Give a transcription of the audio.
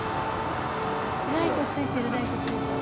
ライト付いてるライト付いてる。